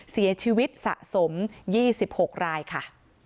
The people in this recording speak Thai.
เสียชีวิตสะสม๒๖รายค่ะ